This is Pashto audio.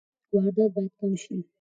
واردات باید کم شي.